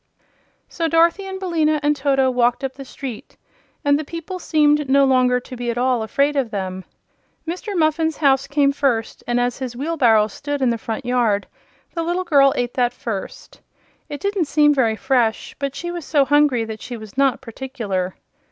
So Dorothy and Billina and Toto walked up the street and the people seemed no longer to be at all afraid of them. Mr. Muffin's house came first, and as his wheelbarrow stood in the front yard the little girl ate that first. It didn't seem very fresh, but she was so hungry that she was not particular.